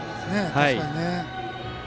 確かにね。